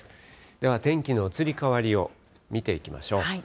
では、天気の移り変わりを見ていきましょう。